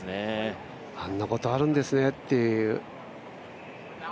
あんなことあるんですねっていう。